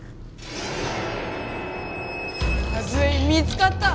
まずい見つかった！